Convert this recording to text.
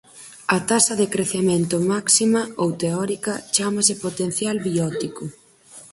A taxa de crecemento máxima ou teórica chámase potencial biótico.